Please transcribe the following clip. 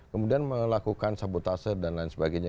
kemudian melakukan sabotase dan lain sebagainya